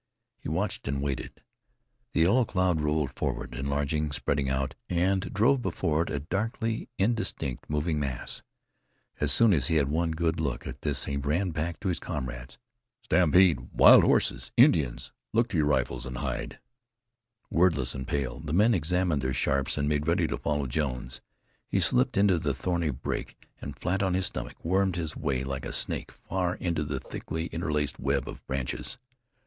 He watched and waited. The yellow cloud rolled forward, enlarging, spreading out, and drove before it a darkly indistinct, moving mass. As soon as he had one good look at this he ran back to his comrades. "Stampede! Wild horses! Indians! Look to your rifles and hide!" Wordless and pale, the men examined their Sharps, and made ready to follow Jones. He slipped into the thorny brake and, flat on his stomach, wormed his way like a snake far into the thickly interlaced web of branches.